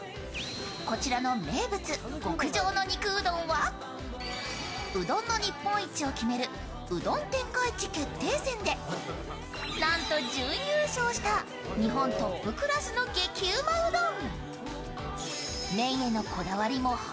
こちらの名物、極上の肉うどんはうどんの日本一を決めるうどん天下一決定戦でなんと準優勝した日本トップクラスの激ウマうどん。